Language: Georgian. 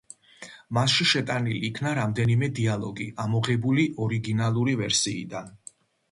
მასში შეტანილი იქნა რამდენიმე დიალოგი, ამოღებული ორიგინალური ვერსიიდან.